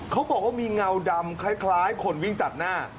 เขาบอกว่ามีเงาดำคล้ายคนวิ่งตัดหน้า